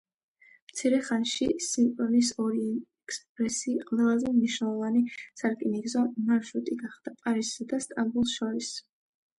მცირე ხანში სიმპლონის ორიენტ-ექსპრესი ყველაზე მნიშვნელოვანი სარკინიგზო მარშრუტი გახდა პარიზსა და სტამბოლს შორის.